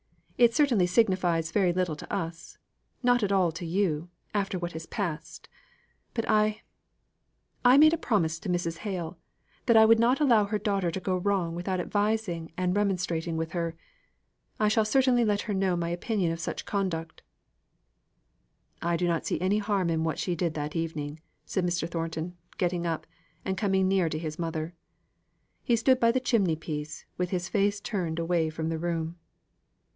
"It certainly signifies very little to us not at all to you, after what has passed! but I I made a promise to Mrs. Hale, that I would not allow her daughter to go wrong without advising and remonstrating with her. I shall certainly let her know my opinion of such conduct." "I do not see any harm in what she did that evening," said Mr. Thornton, getting up, and coming near to his mother; he stood by the chimney piece with his face turned away from the room.